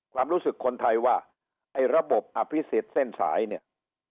ความรู้สึกคนไทยว่าไอ้ระบบอภิษฎเส้นสายเนี่ย